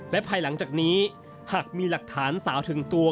และภายหลังจากนี้หากมีหลักฐานสาวถึงตัว